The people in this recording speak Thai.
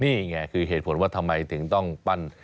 นี่ไงคือเหตุผลว่าทำไมถึงต้องปั้น